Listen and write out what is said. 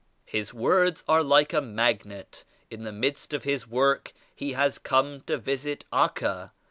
His words are like a magnet. In the midst of his work he has come to visit Acca.